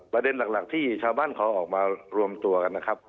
ประเด็นหลักที่ชาวบ้านเขาออกมารวมตัวกันนะครับ